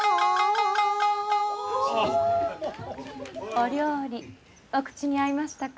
お料理お口に合いましたか？